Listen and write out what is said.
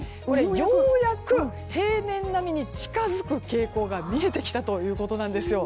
ようやく平年並みに近づく傾向が見えてきたということなんです。